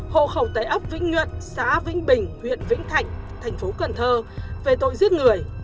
hộ khẩu tại ấp vĩnh nhuận xã vĩnh bình huyện vĩnh thạnh thành phố cần thơ về tội giết người